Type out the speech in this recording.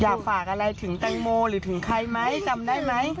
อยากฝากอะไรถึงแตงโมหรือถึงใครไหมจำได้ไหม